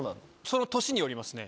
その年によりますね